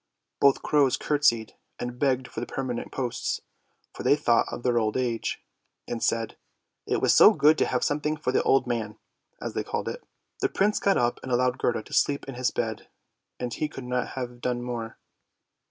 " Both crows curtsied and begged for the permanent posts, for they thought of their old age, and said " it was so good to have something for the old man," as they called it. The Prince got up and allowed Gerda to sleep in his bed, and he could not have done more.